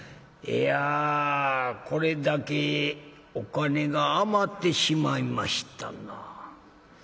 いやこれだけお金が余ってしまいましたな。